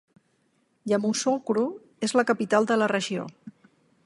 Yamoussoukro és la capital de la regió.